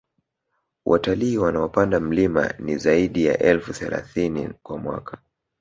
Watalii wanaopanda mlima ni zaidi ya elfu thelathini kwa mwaka